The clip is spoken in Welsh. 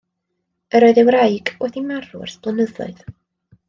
Yr oedd ei wraig wedi marw ers blynyddoedd.